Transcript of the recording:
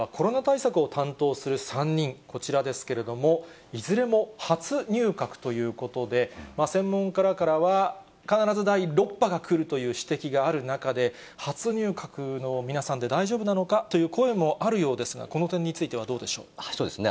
さて、一方で今回の人事では、コロナ対策を担当する３人、こちらですけれども、いずれも初入閣ということで、専門家らからは、必ず第６波が来るという指摘がある中で、初入閣の皆さんで大丈夫なのか？という声もあるようですが、そうですね。